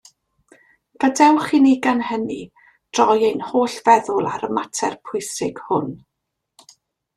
Gadewch i ni gan hynny droi ein holl feddwl ar y mater pwysig hwn.